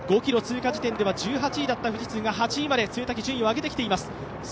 ５ｋｍ通過で点では１８位だった富士通が８位まで上がってきています。